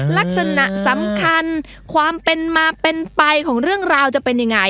ลักษณะสำคัญความเป็นมาเป็นไปของเรื่องราวจะเป็นยังไง